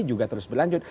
juga terus berlanjut